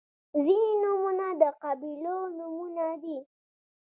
• ځینې نومونه د قبیلو نومونه دي.